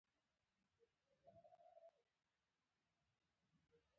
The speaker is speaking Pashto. ما څو واره ور ته ويلي دي.